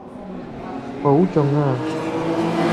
保重呀